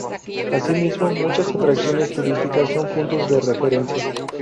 Asimismo, muchas atracciones turísticas son puntos de referencia.